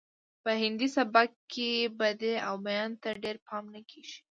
په هندي سبک کې بدیع او بیان ته ډیر پام نه کیږي